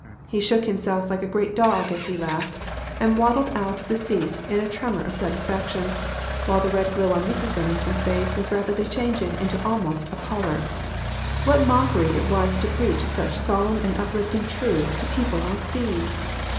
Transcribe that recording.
He shook himself like a great dog as he laughed, and waddled out of the seat in a tremor of satisfac tion, while the red glow on Mrs. Remington's face was rapidly changing into almost a pallor. What mockery it was to preach such solemn and uplift ing truths to people like these